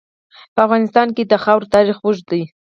په افغانستان کې د خاوره تاریخ اوږد دی.